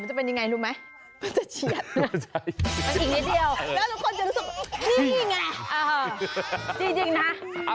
เออจริงนะ